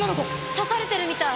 刺されてるみたい。